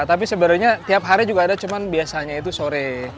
tapi sebenarnya tiap hari juga ada cuman biasanya itu sore